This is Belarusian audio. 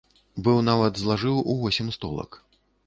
Быў нават злажыў у восем столак.